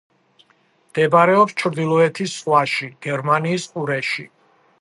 მდებარეობს ჩრდილოეთის ზღვაში, გერმანიის ყურეში.